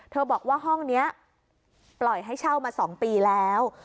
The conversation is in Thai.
บอกว่าห้องนี้ปล่อยให้เช่ามา๒ปีแล้ว